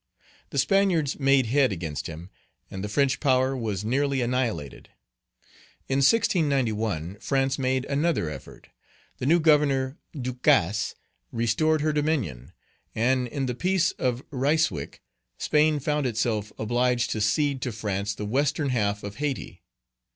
The Spaniards made head against him, and the French power was nearly annihilated. In 1691, France made another effort. The new Governor, Ducasse, restored her dominion, and in the peace of Ryswick, Spain found itself obliged to cede to France the western half of Hayti.